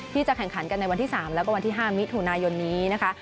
ที่จะแข่งขันกันในวันที่๓และวันที่๕มิตรฐุณายนที่นี้นะคะ